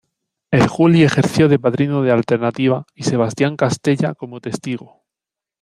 El Juli ejerció de padrino de alternativa y Sebastián Castella como testigo.